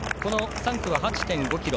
３区は８．５ｋｍ。